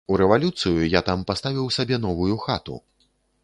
У рэвалюцыю я там паставіў сабе новую хату.